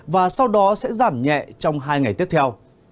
và sau đó sẽ giảm nhẹ trong hai ngày tiếp theo